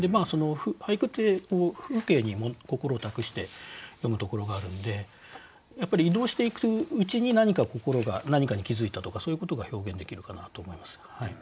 俳句って風景に心を託して詠むところがあるんでやっぱり移動していくうちに何か心が何かに気付いたとかそういうことが表現できるかなと思います。